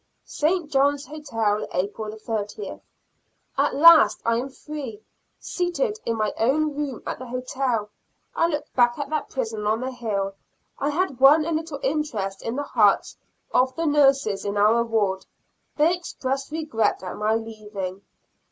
St. John's Hotel, April 30. At last I am free! Seated in my own room at the hotel, I look back at that prison on the hill. I had won a little interest in the hearts of the nurses in our ward; they expressed regret at my leaving.